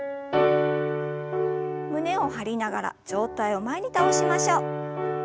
胸を張りながら上体を前に倒しましょう。